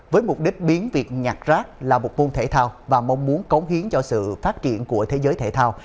với mục đích biến việc nhặt rác là một môn thể thao và mong muốn cống hiến cho sự phát triển của thế giới thể thao